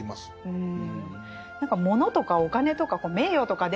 うん。